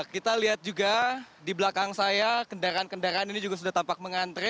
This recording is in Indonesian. kita lihat juga di belakang saya kendaraan kendaraan ini juga sudah tampak mengantre